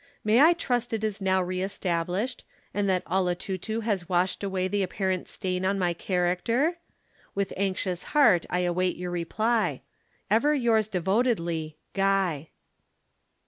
May I trust it is now re established, and that "Olotutu" has washed away the apparent stain on my character? With anxious heart I await your reply. "'Ever yours devotedly, "'GUY.'